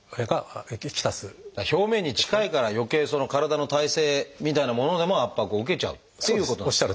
表面に近いからよけい体の体勢みたいなものでも圧迫を受けちゃうということですか。